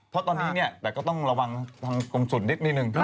เพราะตอนนี้เนี่ยแต่ก็ต้องระวังตรงสุดนิดนึง